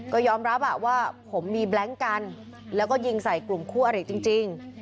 ก็ยอมรับว่าผมมีแบล็งกันแล้วก็ยิงใส่กลุ่มคู่อริจริง